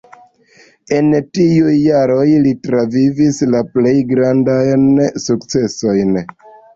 En tiuj jaroj li travivis la plej grandajn sukcesojn.